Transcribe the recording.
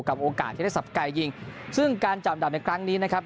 โอกาสที่ได้สับไก่ยิงซึ่งการจับดับในครั้งนี้นะครับ